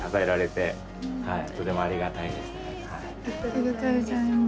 ありがとうございます。